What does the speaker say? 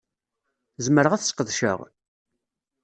Zemreɣ ad t-sqedceɣ?